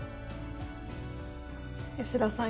吉田さん